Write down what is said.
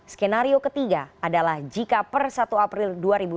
skenario ketiga adalah jika per satu april dua ribu dua puluh